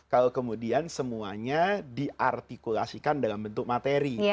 kalau kemudian semuanya diartikulasikan dalam bentuk materi